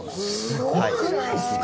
すごくないですか。